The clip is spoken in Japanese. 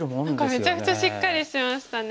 何かめちゃくちゃしっかりしてましたね。